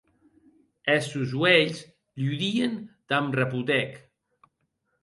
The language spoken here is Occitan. Es sòns uelhs ludien damb repotec.